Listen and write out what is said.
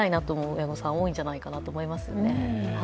親御さん多いんじゃないかなと思います。